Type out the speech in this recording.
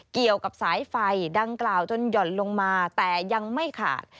เกี่ยวกับสายไฟดังกล่าวจนหย่อนลงมาแต่ยังไม่ขาด